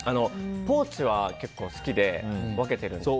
ポーチは結構、好きで分けてるんですけど。